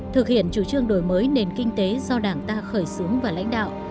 thực hiện chủ trương đổi mới nền kinh tế do đảng ta khởi xướng và lãnh đạo